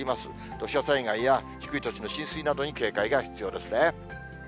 土砂災害や低い土地の浸水などに警戒が必要ですね。